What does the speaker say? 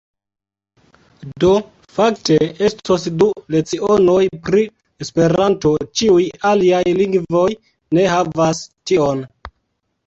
Do fakte estos du lecionoj pri esperanto ĉiuj aliaj lingvoj ne havas tion.